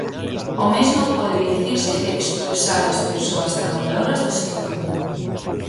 O mesmo pode dicirse de expulsar as persoas traballadoras do sector.